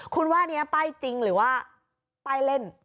คุณว่านี้ป้ายจริงหรือว่าป้ายเล่น